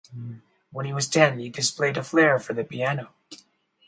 When he was ten, he displayed a flair for the piano.